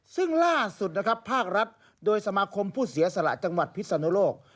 ซึ่งล่าสุดนะครับภาครัฐโดยสมาคมผู้เสียสละจังหวัดพิศนุโลก